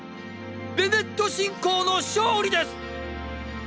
ベネット信仰の勝利です！！